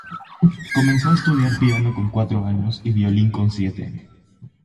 Comenzó a estudiar piano con cuatro años, y violín con siete.